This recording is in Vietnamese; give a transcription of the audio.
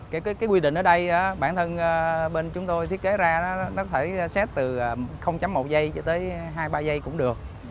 cái quy định ở đây bản thân bên chúng tôi thiết kế ra nó phải xét từ một giây cho tới hai ba giây cũng được